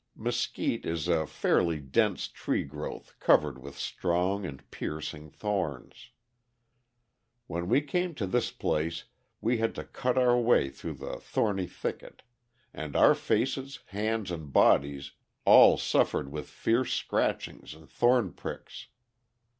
Mesquite is a fairly dense tree growth covered with strong and piercing thorns. When we came to this place we had to cut our way through the thorny thicket, and our faces, hands, and bodies all suffered with fierce scratchings and thorn pricks.